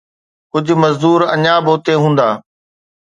ڪجهه مزدور اڃا به اتي هوندا